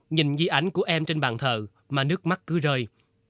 nhìn di ảnh của em trên bàn thờ mà nước mắt cứ rơi